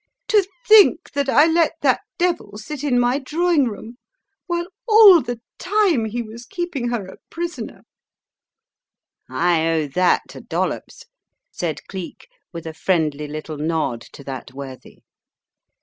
"To think that I let that devil sit in my drawing room while all the time he was keeping her a prisoner " "I owe that to Dollops," said Cleek, with a friendly little nod to that worthy.